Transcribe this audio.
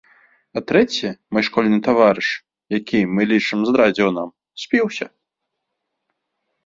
А трэці, мой школьны таварыш, які, мы лічым, здрадзіў нам, спіўся.